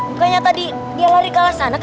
bukannya tadi dia lari ke alas sana kak